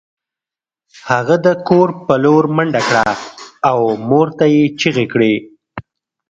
هغه د کور په لور منډه کړه او مور ته یې چیغې کړې